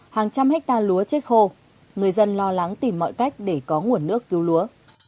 hàng trăm hectare lúa chết khô người dân lo lắng tìm mọi cách để có nguồn nước cứu lúa